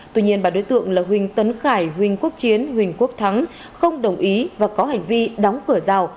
tuy nhiên bà đối tượng là huỳnh tấn khải huỳnh quốc chiến huỳnh quốc thắng không đồng ý và có hành vi đóng cửa rào